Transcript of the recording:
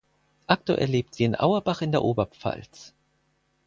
Aktuell lebt sie in Auerbach in der Oberpfalz.